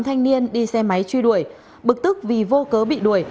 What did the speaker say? thanh niên đi xe máy truy đuổi bực tức vì vô cớ bị đuổi